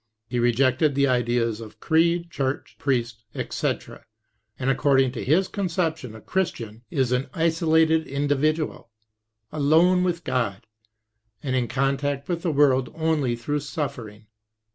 He rejected the ideas of creed, church, priest, etc., and according to his conception a Christian is an isolated individual, alone with God, and in contact with the world only through suffering.